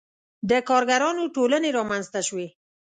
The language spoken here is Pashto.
• د کارګرانو ټولنې رامنځته شوې.